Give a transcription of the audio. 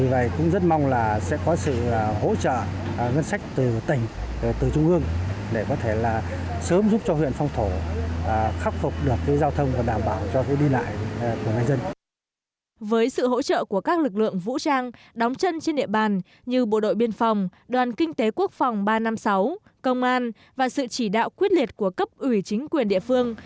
với sự hỗ trợ của các lực lượng vũ trang đóng chân trên địa bàn như bộ đội biên phòng đoàn kinh tế quốc phòng ba trăm năm mươi sáu công an và sự chỉ đạo quyết liệt của cấp ủy chính quyền địa phương